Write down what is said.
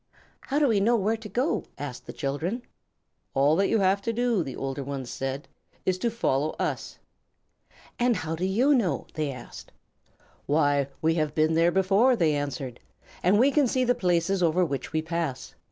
"How do we know where to go?" asked the children. "All that you have to do," the older ones said, "is to follow us." "And how do you know?" they asked. "Why, we have been there before," they answered; "and we can see the places over which we pass.